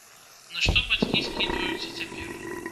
На што бацькі скідваюцца цяпер.